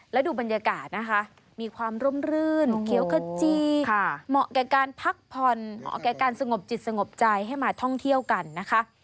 และดูบรรยากาศนะคะมีความร่มรื่นเขี่ยวขจีมหกัยการพักพรมหกัยการสงบจิตสงบใจให้มาท่องเที่ยวกันนะคะ